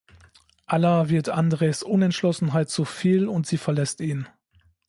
Alla wird Andrejs Unentschlossenheit zu viel, und sie verlässt ihn.